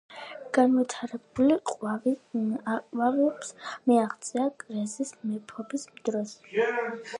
განსაკუთრებულ აყვავებას მიაღწია კრეზის მეფობის დროს.